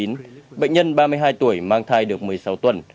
hồng kông trung quốc đã ghi nhận thêm trường hợp phụ nữ mang thai được một mươi sáu tuần